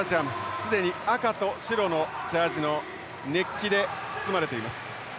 既に赤と白のジャージの熱気で包まれています。